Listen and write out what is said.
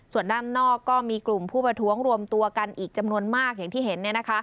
ส่วนด้านนอกก็มีกลุ่มผู้ประท้วงรวมตัวกันอีกจำนวนมากอย่างที่เห็น